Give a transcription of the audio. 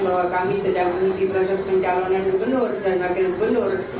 bahwa kami sedang menunggu proses pencalonan gubernur dan wakil gubernur